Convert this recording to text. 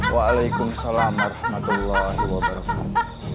wa'alaikumussalam warahmatullahi wabarakatuh